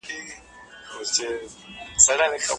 خپلي پښې په ګرمو اوبو مینځئ.